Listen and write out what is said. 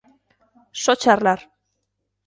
Só charlar.